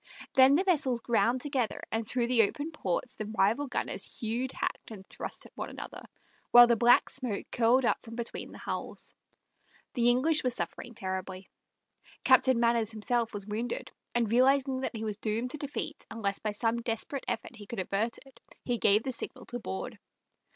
Then the vessels ground together, and through the open ports the rival gunners hewed, hacked, and thrust at one another, while the black smoke curled up from between the hulls. The English were suffering terribly. Captain Manners himself was wounded, and realizing that he was doomed to defeat unless by some desperate effort he could avert it, he gave the signal to board.